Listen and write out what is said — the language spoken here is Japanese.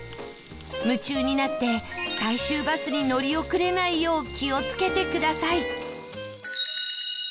夢中になって最終バスに乗り遅れないよう気を付けてください